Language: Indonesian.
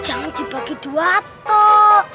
jangan dibagi dua toh